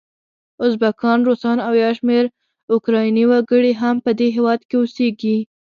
ازبکان، روسان او یو شمېر اوکرایني وګړي هم په دې هیواد کې اوسیږي.